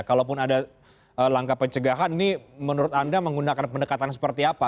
kalaupun ada langkah pencegahan ini menurut anda menggunakan pendekatan seperti apa